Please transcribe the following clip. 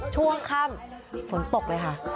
ช่วงค่ำฝนตกเลยค่ะ